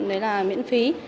đấy là miễn phí